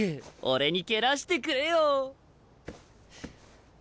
俺に蹴らしてくれよ！